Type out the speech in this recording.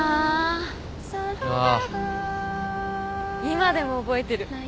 今でも覚えてる。